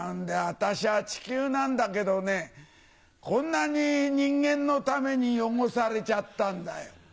私は地球なんだけどね、こんなに人間のために汚されちゃったんだよ。